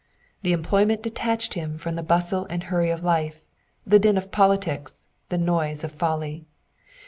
The employment detached him from the bustle and hurry of life, the din of politics, and the noise of folly.